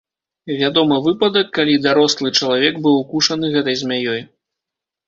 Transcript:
Вядомы выпадак, калі дарослы чалавек быў укушаны гэтай змяёй.